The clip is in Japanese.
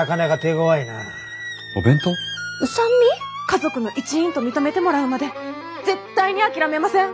家族の一員と認めてもらうまで絶対に諦めません！